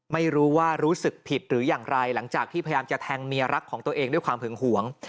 ไม่รู้รู้สึกผิดหรืออย่างไรหลังจากที่พยายามจะแทงเมียรักของตัวเองด้วยความหึงหวง